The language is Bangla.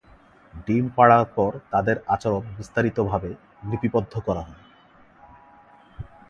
ডিম পাড়ার পর তাদের আচরণ বিস্তারিতভাবে লিপিবদ্ধ করা হয়।